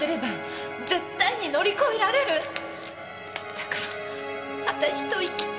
だから私と生きて！